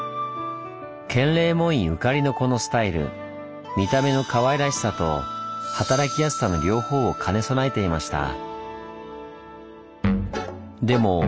建礼門院ゆかりのこのスタイル見た目のかわいらしさと働きやすさの両方を兼ね備えていました。